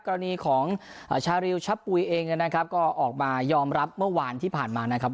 กรณีของชาริวชะปุ๋ยเองนะครับก็ออกมายอมรับเมื่อวานที่ผ่านมานะครับ